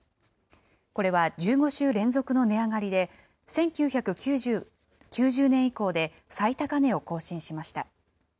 これは１５週連続の値上がりで、１９９０年以降で最高値を更新しました。